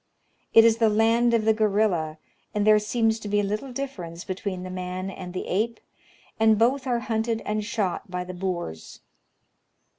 It is the land of the gorilla, and there seems to be little difference between the man and the ape, and both are hunted and shot by the Boers.